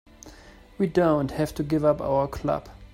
We don't have to give up our club.